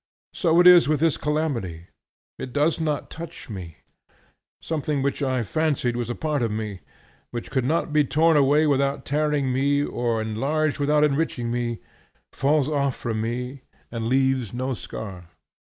So is it with this calamity: it does not touch me; something which I fancied was a part of me, which could not be torn away without tearing me nor enlarged without enriching me, falls off from me and leaves no scar.